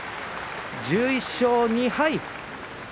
１１勝２敗。